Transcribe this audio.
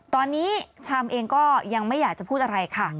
ตอนนี้ชามเองก็ยังไม่อยากจะพูดอะไรค่ะ